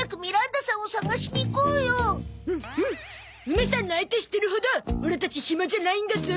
梅さんの相手してるほどオラたち暇じゃないんだゾ。